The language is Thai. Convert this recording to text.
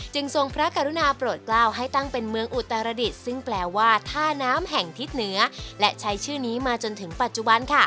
ทรงพระกรุณาโปรดกล้าวให้ตั้งเป็นเมืองอุตรดิษฐ์ซึ่งแปลว่าท่าน้ำแห่งทิศเหนือและใช้ชื่อนี้มาจนถึงปัจจุบัน